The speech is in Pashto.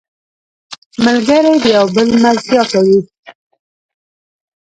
ملګری د یو بل ملتیا کوي